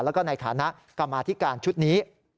และก็ในขณะกรมาธิการชุดนี้